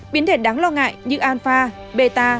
biến thể đáng lo ngại như alpha beta